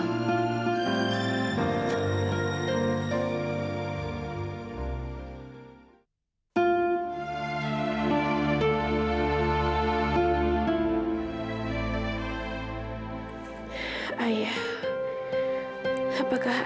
apakah ayah yang benar benar sudah berhenti